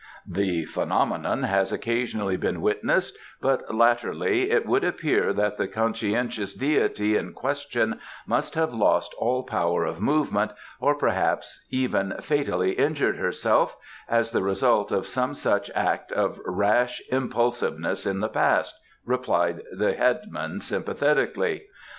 "The phenomenon has occasionally been witnessed, but latterly it would appear that the conscientious deity in question must have lost all power of movement, or perhaps even fatally injured herself, as the result of some such act of rash impulsiveness in the past," replied the headman sympathetically.